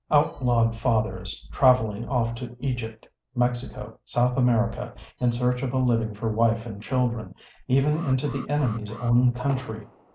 Outlawed fathers, traveling off to Egypt, Mexico, South America, in search of a living for wife and children, even into the enemy's own country.